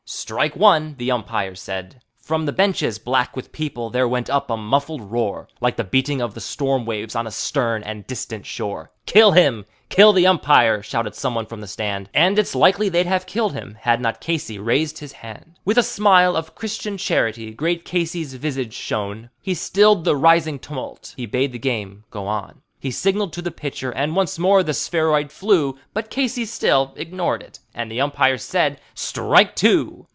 "Strike one," the umpire said. From the benches, black with people, there went up a muffled roar, Like the beating of the storm waves on a stern and distant shore. "Kill him; kill the umpire!" shouted someone from the stand; And it's likely they'd have killed him had not Casey raised his hand. With a smile of Christian charity great Casey's visage shone; He stilled the rising tumult; he bade the game go on; He signaled to the pitcher, and once more the spheroid flew; But Casey still ignored it, and the umpire said, "Strike two."